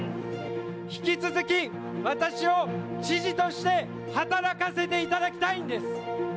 引き続き私を知事として働かせていただきたいんです。